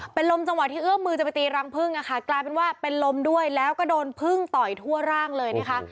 เป็นลมจังหวะที่เอื้อมมือจะไปตีรังพึ่งนะคะกลายเป็นว่าเป็นลมด้วยแล้วก็โดนพึ่งต่อยทั่วร่างเลยนะคะ